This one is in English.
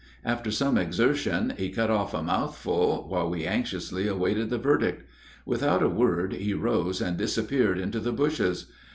After some exertion he cut off a mouthful, while we anxiously awaited the verdict. Without a word he rose and disappeared into the bushes.